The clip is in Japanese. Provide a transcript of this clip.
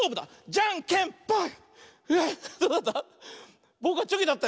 じゃんけんパー！